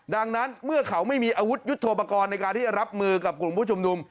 ดังนั้นเมื่อเขาไม่มีอาวุธยุทธโปรกรณ์ในการที่จะรับมือกับกลุ่มผู้ชุมนุม